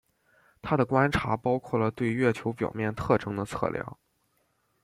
他的观察包括了对月球表面特征的测量。